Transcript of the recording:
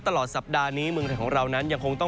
ตลอดสัปดาห์นี้เมืองไทยของเรานั้นยังคงต้อง